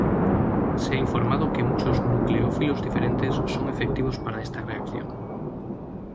Se ha informado que muchos nucleófilos diferentes son efectivos para esta reacción.